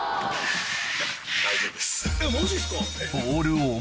・大丈夫です。